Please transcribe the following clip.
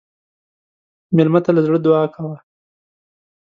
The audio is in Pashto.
مېلمه ته له زړه دعا کوه.